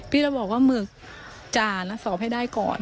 พี่ก็บอกว่าหมึกจานแล้วสอบให้ได้ก่อน